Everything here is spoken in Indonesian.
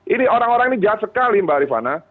ini orang orang ini jahat sekali mbak rifana